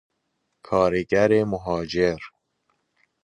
کارگران مهاجر